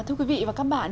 thưa quý vị và các bạn